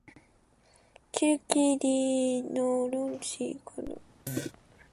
길길이 늘어진 버들가지가 그의 어깨를 서늘하게 스치었다.